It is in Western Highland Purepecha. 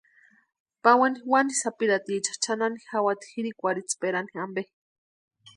Pawani wani sapirhatiecha chʼanani jawati jirikwarhitsperani ampe.